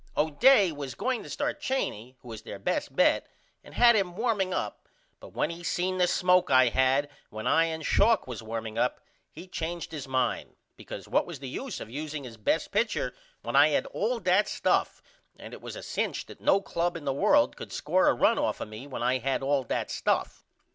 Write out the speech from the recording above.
O'Day was going to start Cheney who is there best bet and had him warming up but when he seen the smoke I had when I and Schalk was warming up he changed his mind because what was the use of useing his best pitcher when I had all that stuff and it was a cinch that no club in the world could score a run off of me when I had all that stuff?